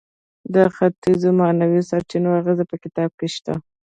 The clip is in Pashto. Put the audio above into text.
د ختیځو معنوي سرچینو اغیز په کتاب کې شته.